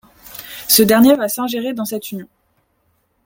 Ce dernier va s'ingérer dans cette union.